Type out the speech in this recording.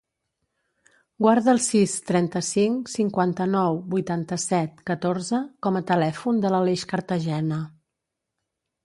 Guarda el sis, trenta-cinc, cinquanta-nou, vuitanta-set, catorze com a telèfon de l'Aleix Cartagena.